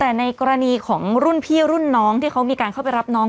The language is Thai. แต่ในกรณีของรุ่นพี่รุ่นน้องที่เขามีการเข้าไปรับน้อง